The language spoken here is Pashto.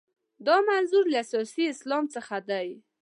دا منظور له سیاسي اسلام څخه دی.